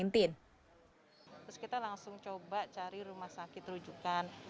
terus kita langsung coba cari rumah sakit rujukan